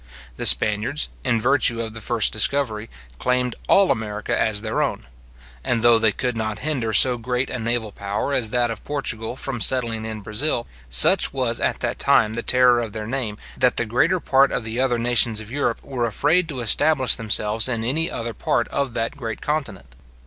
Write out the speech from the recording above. The Spaniards, in virtue of the first discovery, claimed all America as their own; and though they could not hinder so great a naval power as that of Portugal from settling in Brazil, such was at that time the terror of their name, that the greater part of the other nations of Europe were afraid to establish themselves in any other part of that great continent.